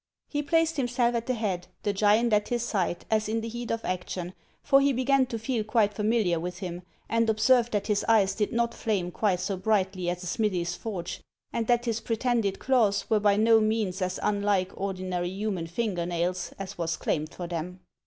He placed himself at the head, the giant at his side. HANS OF ICELAND. 401 as in the heat of action, for he began to feel quite familiar with him, and observed that his eyes did not flame quite so brightly as a smithy's forge, and that his pretended claws were by no means as unlike ordinary human finger nails as was claimed for them.